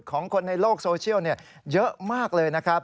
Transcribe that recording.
ของคนในโลกโซเชียลเยอะมากเลยนะครับ